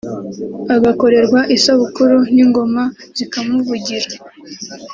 agakorerwa isabukuru n’ingoma zikamuvugira